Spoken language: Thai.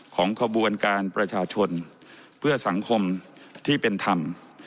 ของขบวนการประชาชนเพื่อสังคมที่เป็นธรรม